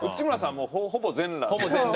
もうほぼほぼ全裸。